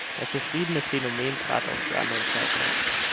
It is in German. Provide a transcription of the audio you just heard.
Das beschriebene Phänomen trat auch zu anderen Zeiten auf.